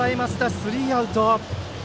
スリーアウト。